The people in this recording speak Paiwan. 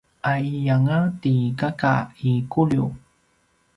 aiyanga ti kaka i Kuliu